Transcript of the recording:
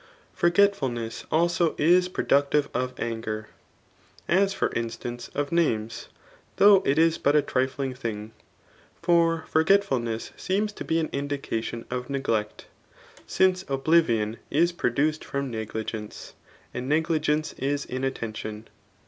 Forgetfujness also is productive of anger, as for instance, of names, tho^gh it is bivit a [trifling tfaisg. For ibrgetfulness seems to be an indiq^itic^ of neglect^, since oblivion is produced from negligence; and negligence is inattention.